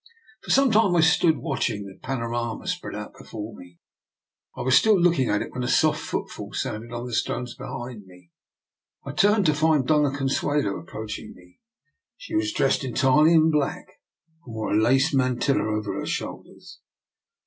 For some time I stood watching the panorama spread out before me. I was still looking at it when a soft footfall sounded on the stones behind me. I turned to find Dofia Consuelo approaching me. She was dressed entirely in black, and wore a lace mantilla over her shoulders.